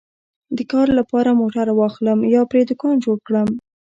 د کار لپاره موټر واخلم یا پرې دوکان جوړ کړم